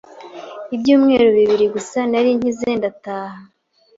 ibyumweru bibiri gusa nari nkize ndataha